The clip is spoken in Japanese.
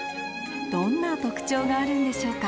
どんな特徴があるんでしょうか。